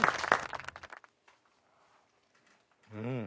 うん！